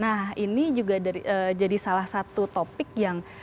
nah ini juga jadi salah satu topik yang